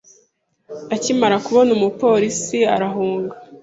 Akimara kubona umupolisi, arahunga.